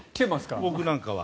僕なんかは。